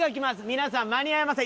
皆さん間に合いません。